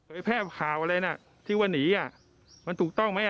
ไอ้แพร่ข่าวอะไรน่ะที่วันนี้มันถูกต้องไหม